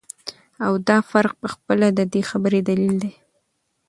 او دافرق په خپله ددي خبري دليل دى